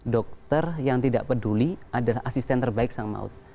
dokter yang tidak peduli adalah asisten terbaik sang maut